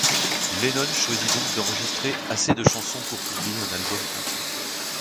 Lennon choisit donc d'enregistrer assez de chansons pour publier un album entier.